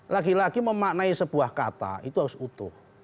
laki laki memaknai sebuah kata itu harus utuh